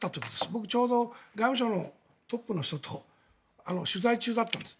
僕、ちょうど外務省のトップの人と取材中だったんです。